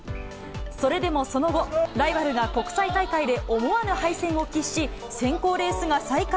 それでもその後、ライバルが国際大会で思わぬ敗戦を喫し、選考レースが再開。